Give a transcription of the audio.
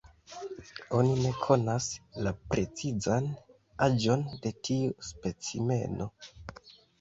Oni ne konas la precizan aĝon de tiu specimeno.